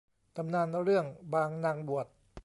ตำนานเรื่องบางนางบวช